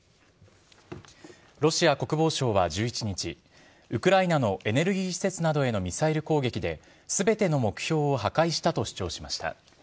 ロシア国防省は１１日ウクライナのエネルギー施設などへのミサイル攻撃で全ての目標を破壊したと主張しました。